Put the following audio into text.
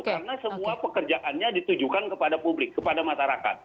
karena semua pekerjaannya ditujukan kepada publik kepada masyarakat